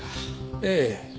ええ。